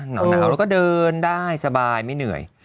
หนาวแล้วก็เดินได้สบายไม่เหนื่อย